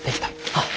あっ。